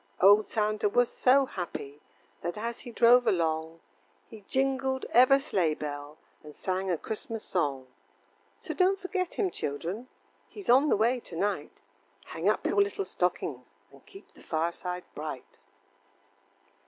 Old Santa was so happy, That as he drove along He jingled ever sleigh bell, And sang a Christmas song. So don't forget him, children, He's on the way to night, Hang up your little stockings, And keep the fireside bright.